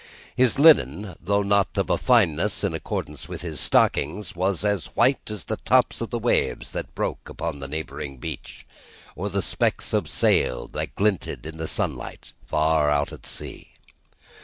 His linen, though not of a fineness in accordance with his stockings, was as white as the tops of the waves that broke upon the neighbouring beach, or the specks of sail that glinted in the sunlight far at sea.